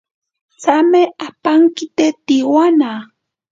Tsame apankite tsiwana.